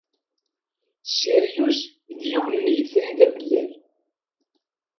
Sirius d yiwen n yetri d amellal.